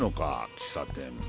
喫茶店。